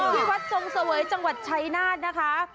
ที่วัดทรงเสวยจังหวัดชัยนาธนะคะ